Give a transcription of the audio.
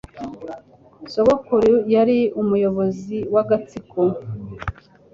Sogokuru yari umuyobozi w'agatsiko